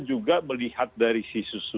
juga melihat dari sisi